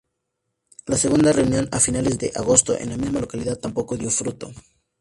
La segunda reunión a finales de agosto en la misma localidad tampoco dio fruto.